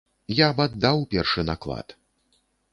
Я б аддаў першы наклад.